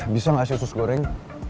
bisa gak sih khusus goreng